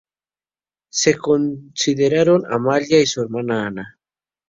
Se consideraron Amalia y su hermana Ana.